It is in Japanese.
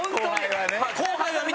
後輩はね。